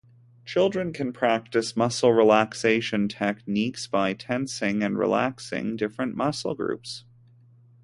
Children can practice the muscle relaxation techniques by tensing and relaxing different muscle groups.